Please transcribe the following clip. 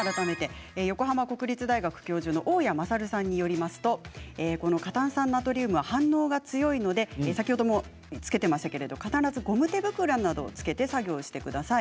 横浜国立大学教授の大矢勝さんによりますとこの過炭酸ナトリウムは反応が強いので先ほども着けていましたけれど必ずゴム手袋などを着けて作業してください。